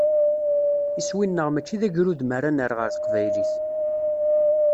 Iswi-nneɣ mačči d agrudem ara nerr ɣer teqbaylit.